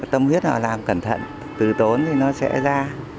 tâm huyết họ làm cẩn thận từ tốn thì nó sẽ ra